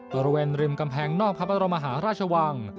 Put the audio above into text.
บริเวณริมกำแพงนอกพระบรมหาราชวัง